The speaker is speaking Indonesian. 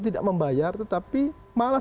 tidak membayar tetapi malah